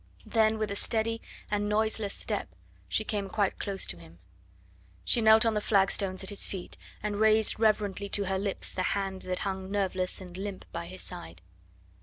Then with a steady and noiseless step she came quite close to him. She knelt on the flagstones at his feet and raised reverently to her lips the hand that hung nerveless and limp by his side.